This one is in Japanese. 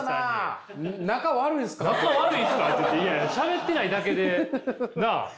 いやいやしゃべってないだけでなあ。